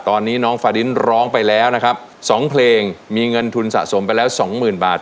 ตอนนี้น้องฟาดินร้องไปแล้วนะครับสองเพลงมีเงินทุนสะสมไปแล้วสองหมื่นบาท